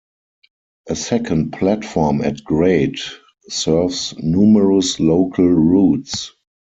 A second platform at grade serves numerous local routes.